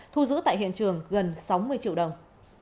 thu giữ tại hiện trường gần sáu mươi triệu đồng